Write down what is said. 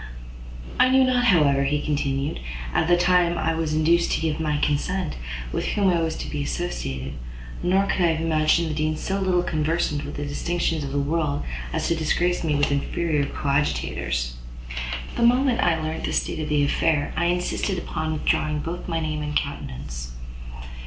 "I knew not, however," he continued, "at the time I was induced to give my consent, with whom I was to be associated; nor could I have imagined the Dean so little conversant with the distinctions of the world, as to disgrace me with inferior coadjutors: but the moment I learnt the state of the affair, I insisted upon withdrawing both my name and countenance."